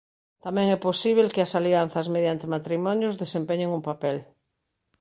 Tamén é posíbel que as alianzas mediante matrimonios desempeñen un papel.